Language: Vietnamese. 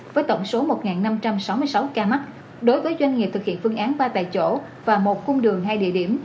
với tổng số một năm trăm sáu mươi sáu ca mắc đối với doanh nghiệp thực hiện phương án ba tại chỗ và một cung đường hai địa điểm